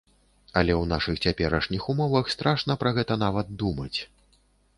Але ў нашых цяперашніх умовах страшна пра гэта нават думаць.